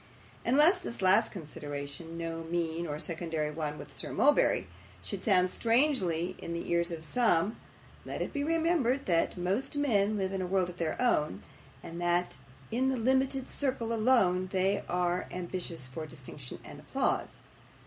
And lest this last consideration no mean or secondary one with Sir Mulberry should sound strangely in the ears of some, let it be remembered that most men live in a world of their own, and that in that limited circle alone are they ambitious for distinction and applause.